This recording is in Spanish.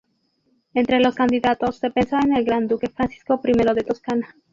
Entre los candidatos se pensó en el gran duque Francisco I de Toscana.